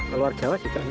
keluar jawa juga